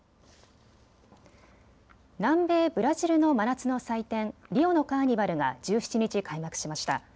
南米ブラジルの真夏の祭典リオのカーニバルが１７日、開幕しました。